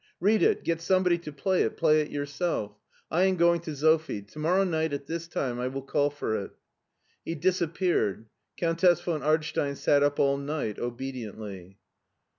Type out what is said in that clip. Read it, get somebody to play it, play it yourself. I am going to Sophie. To morrow night at this time I will caU for it" He disappeared. Countess von Ardstein sat up all night obedientiy.